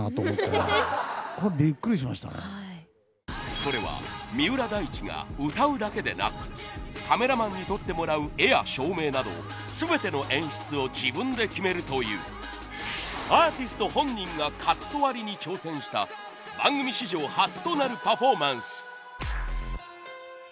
それは三浦大知が歌うだけでなくカメラマンに撮ってもらう画や照明など全ての演出を自分で決めるというアーティスト本人がカット割りに挑戦した番組史上初となるパフォーマンス。